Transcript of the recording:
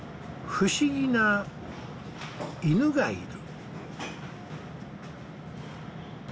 不思議な犬がいる。